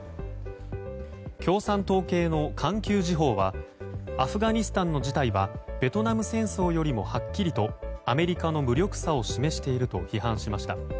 共産党系の環球時報はアフガニスタンの事態はベトナム戦争よりもはっきりとアメリカの無力さを示していると批判しました。